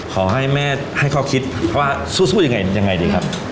ขอให้แม่ให้ข้อคิดว่าสู้ยังไงยังไงดีครับ